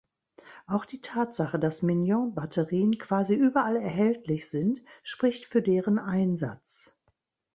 Auch die Tatsache, dass Mignon-Batterien quasi überall erhältlich sind, spricht für deren Einsatz.